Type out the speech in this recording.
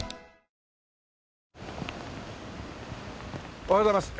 おはようございます。